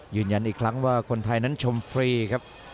ยืนยันอีกครั้งว่าคนไทยนั้นชมฟรีครับ